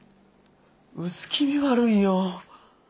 薄気味悪いよ。